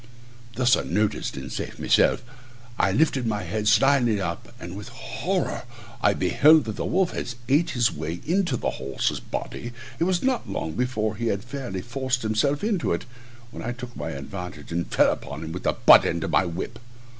Thus unnoticed and safe myself, I lifted my head slyly up, and with horror I beheld that the wolf had ate his way into the horse's body; it was not long before he had fairly forced himself into it, when I took my advantage, and fell upon him with the butt end of my whip.